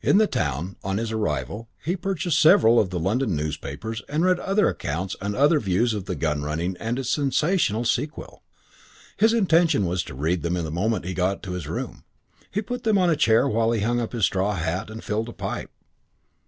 In the town, on his arrival, he purchased several of the London newspapers to read other accounts and other views of the gun running and its sensational sequel. His intention was to read them the moment he got to his room. He put them on a chair while he hung up his straw hat and filled a pipe.